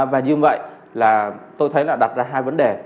và như vậy là tôi thấy là đặt ra hai vấn đề